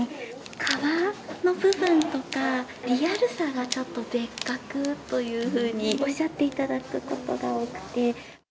皮の部分とか、リアルさがちょっと別格というふうにおっしゃっていただくことが多くて。